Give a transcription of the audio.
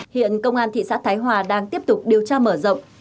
hiện công an thị xã thái hòa đang tiếp tục điều tra mở rộng